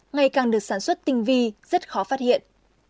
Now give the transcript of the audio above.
ngày càng được sản xuất tinh vi rất khó phát hiện